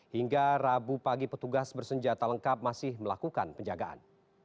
hingga rabu pagi petugas bersenjata lengkap masih melakukan penjagaan